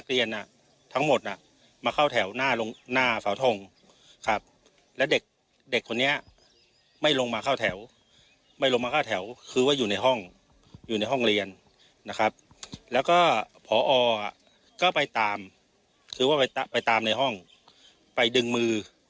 แล้วก็พอโรงก็ไปตามในห้องไปดึงมือ